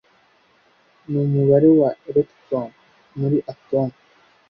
Numubare wa electron muri atom